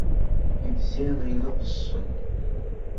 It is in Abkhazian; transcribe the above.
Ибзианы иныҟәысцон.